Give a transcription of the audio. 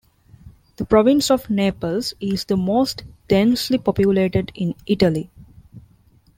The province of Naples is the most densely populated in Italy.